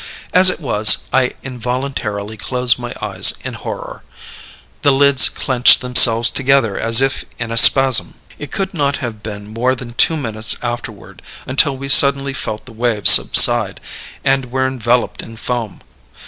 As it was, I involuntarily closed my eyes in horror. The lids clenched themselves together as if in a spasm. "It could not have been more than two minutes afterward until we suddenly felt the waves subside, and were enveloped in foam.